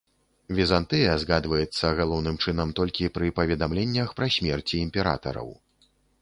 Візантыя згадваецца галоўным чынам толькі пры паведамленнях пра смерці імператараў.